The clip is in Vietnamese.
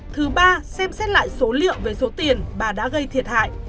thứ ba xem xét lại số liệu về số tiền bà đã gây thiệt hại